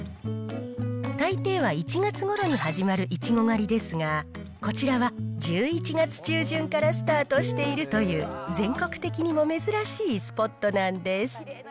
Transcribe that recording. たいていは１月ごろに始まるいちご狩りですが、こちらは１１月中旬からスタートしているという、全国的にも珍しいスポットなんです。